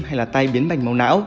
hay là tai biến bành máu não